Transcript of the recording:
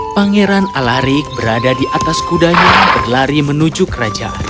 pangeran alarik berada di atas kudanya berlari menuju kerajaan